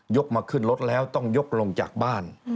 มาขึ้นรถแล้วต้องยกลงจากบ้าน